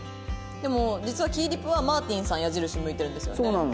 でも実はきぃぃりぷはマーティンさん矢印向いてるんですよね。